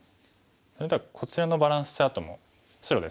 それではこちらのバランスチャートも白ですね。